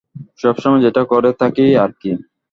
সবসময় যেটা করে থাকি আরকি।